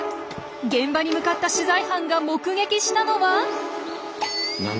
現場に向かった取材班が目撃したのは！